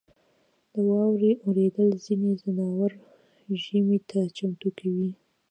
• د واورې اورېدل ځینې ځناور ژمي ته چمتو کوي.